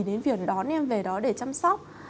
đến viện đón em về đó để chăm sóc